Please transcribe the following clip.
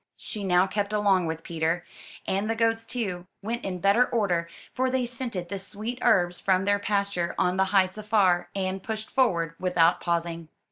She now kept along with Peter; and the goats, too, went in better order, for they scented the sweet herbs from their pasture on the heights afar, and pushed forward without pausing.